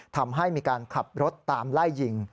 ทำให้มีการขับรถตามไล่ยิง